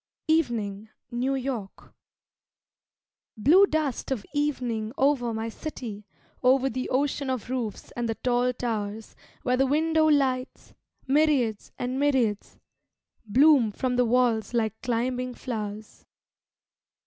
Evening: New York Blue dust of evening over my city, Over the ocean of roofs and the tall towers Where the window lights, myriads and myriads, Bloom from the walls like climbing flowers.